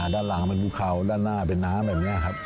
ด้านหลังเป็นภูเขาด้านหน้าเป็นน้ำแบบนี้ครับ